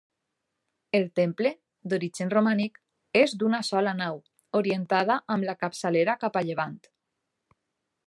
El temple, d'origen romànic, és d'una sola nau, orientada amb la capçalera cap a llevant.